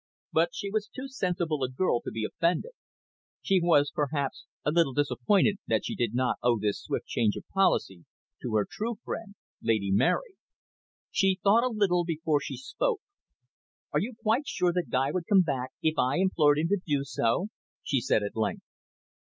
But she was too sensible a girl to be offended. She, was, perhaps, a little disappointed that she did not owe this swift change of policy to her true friend. Lady Mary. She thought a little before she spoke. "Are you quite sure that Guy would come back, if I implored him to do so," she said at length.